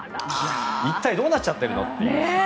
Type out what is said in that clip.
一体どうなっちゃってるのっていう。